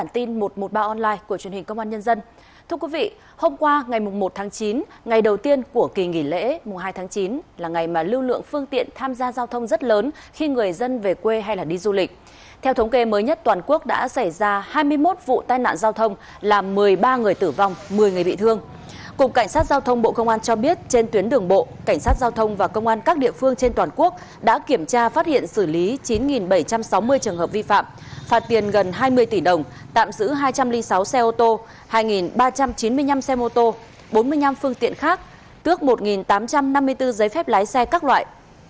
trên tuyến đường bộ cảnh sát giao thông và công an các địa phương trên toàn quốc đã kiểm tra phát hiện xử lý chín bảy trăm sáu mươi trường hợp vi phạm phạt tiền gần hai mươi tỷ đồng tạm giữ hai trăm linh sáu xe ô tô hai ba trăm chín mươi năm xe mô tô bốn mươi năm phương tiện khác tước một tám trăm năm mươi bốn giấy phép lái xe các loại